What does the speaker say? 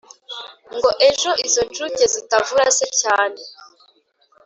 Ngo ejo izo nshuke zitavura se cyane